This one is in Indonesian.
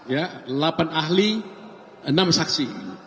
ya delapan ahli enam saksi